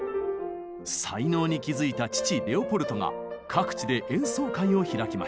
才能に気付いた父レオポルトが各地で演奏会を開きました。